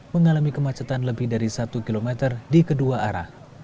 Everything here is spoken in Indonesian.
mengalami kemacetan lebih dari satu km di kedua arah